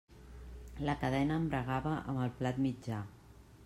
La cadena embragava amb el plat mitjà.